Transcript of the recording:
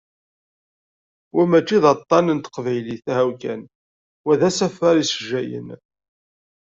Wa mačči d aṭan n teqbaylit, ahaw kan, wa d asafar issejjayen.